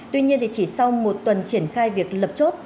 tuy nhiên chỉ sau một tuần triển khai việc lập chốt